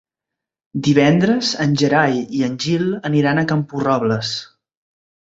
Divendres en Gerai i en Gil aniran a Camporrobles.